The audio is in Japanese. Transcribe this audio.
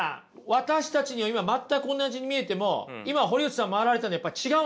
私たちには今全く同じに見えても今堀内さん回られたのやっぱり違うんですか？